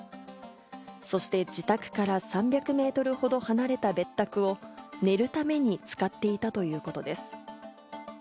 そして自宅から３００メートルほど離れた別宅を寝るために使っていたということです。